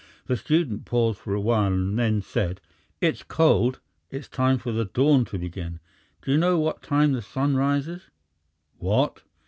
The student paused for a while and then said: "It's cold! It's time for the dawn to begin. Do you know what time the sun rises?" "What?"